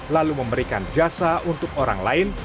lalu memberikan jasa untuk orang lain